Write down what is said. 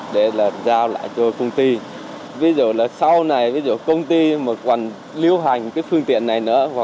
để là giao lại cho công ty ví dụ là sau này ví dụ công ty mà còn lưu hành cái phương tiện này nữa